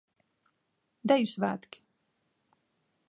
Deju svētki.